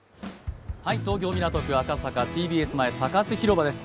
東京・港区赤坂ＴＢＳ前、サカス広場です。